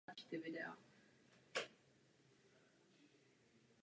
Opadavé keře se střídavými jednoduchými listy s palisty.